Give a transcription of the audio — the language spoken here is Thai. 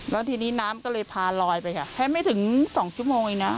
แล้วทีนี้น้ำก็เลยพาลอยไปค่ะแค่ไม่ถึง๒ชั่วโมงเองนะ